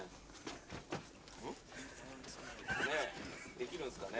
・できるんすかね？